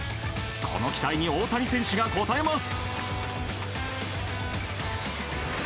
この期待に大谷選手が応えます。